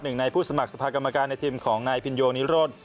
หนึ่งในผู้สมัครสภากรรมการในทีมของนายพินโยนิโรธ